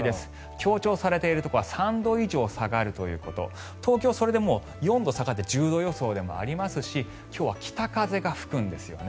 強調されているところは３度以上下がるというところ東京はそれで４度下がって１０度予想でありますし今日は北風が吹くんですよね。